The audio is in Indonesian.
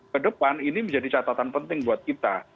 ke depan ini menjadi catatan penting buat kita